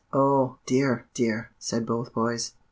'" "Oh, dear, dear!" said both boys.